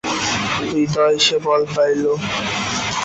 হৃদয়ে সে বল পাইল।